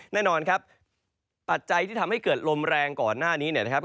แน่นอนครับปัจจัยที่ทำให้เกิดลมแรงก่อนหน้านี้เนี่ยนะครับ